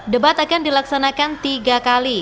debat akan dilaksanakan tiga kali